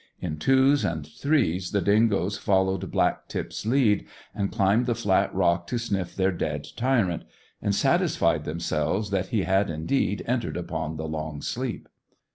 In twos and threes the dingoes followed Black tip's lead, and climbed the flat rock to sniff their dead tyrant, and satisfy themselves that he had indeed entered upon the long sleep.